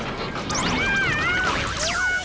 うわ！